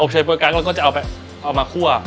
อบเชยโป๊ยกั๊กเราก็จะเอามาคั่ว